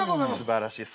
すばらしい。